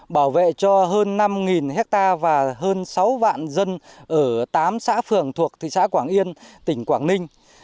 bảo vệ cho hơn năm hectare và hơn sáu vạn dân ở tám xã phường thuộc thị xã quảng yên tỉnh quảng ninh